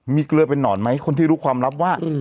มีเกลือเป็นนอนไหมคนที่รู้ความลับว่า